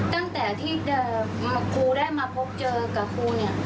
ตั้งแต่ที่ครูได้มาพบเจอกับครูเนี่ย